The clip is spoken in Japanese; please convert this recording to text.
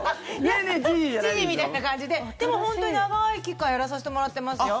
ねえ、知事みたいな感じででも、本当に長い期間やらさせてもらってますよ。